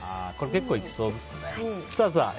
これ、結構いきそうですね。